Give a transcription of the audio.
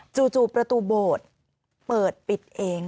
จู่ประตูโบสถ์เปิดปิดเอง